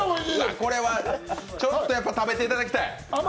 これはちょっと食べていただきたい。